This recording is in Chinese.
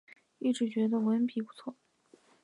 一直觉得文笔不错